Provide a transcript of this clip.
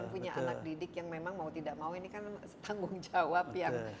punya anak didik yang memang mau tidak mau ini kan tanggung jawab yang